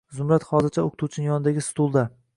Zumrad hozircha o‘qituvchining yonidagi stulda